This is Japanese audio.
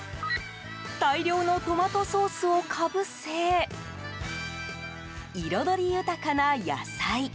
大量のトマトソースをかぶせ彩り豊かな野菜。